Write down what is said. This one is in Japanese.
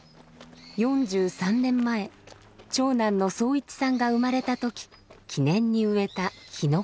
４３年前長男の惣一さんが生まれた時記念に植えたヒノキです。